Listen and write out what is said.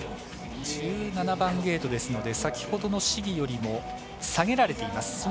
１７番ゲートですので先ほどの試技よりも下げられています。